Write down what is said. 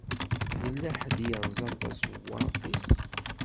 Yella ḥedd i yeṛẓan taṣewaṛt-iw.